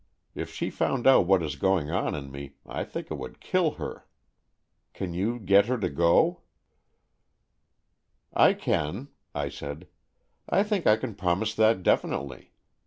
If she found out what is going on in me, I think it would kill her. Can you get her to go ?" 184 AN EXCHANGE OF SOULS " I can/' I said. " I think I can promise that definitely.